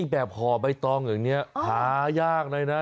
ห่อใบตองอย่างนี้หายากเลยนะ